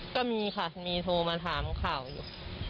ก็มีค่ะมีโทรมาถามข่าวอยู่